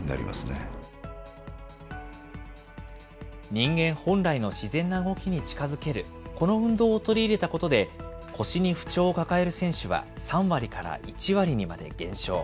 人間本来の自然な動きに近づける、この運動を取り入れたことで、腰に不調を抱える選手は３割から１割にまで減少。